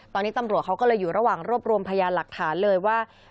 ตอนนี้ตำรวจเขาก็เลยอยู่ระหว่างรวบรวมพยานหลักฐานเลยว่า